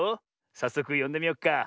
さっそくよんでみよっか。